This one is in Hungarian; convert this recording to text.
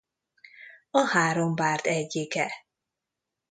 A Három bárd egyike.